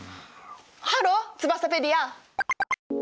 ハローツバサペディア。